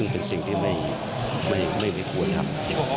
เป็นสิ่งที่ไม่ควรทำ